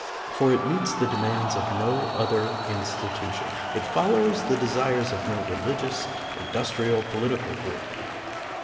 For it meets the demands of no other institution, it follows the desires of no religious, industrial, po litical group.